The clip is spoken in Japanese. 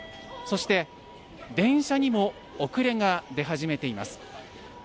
そして電車にも遅れが出始めています。